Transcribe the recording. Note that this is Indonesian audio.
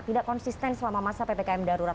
tidak konsisten selama masa ppkm darurat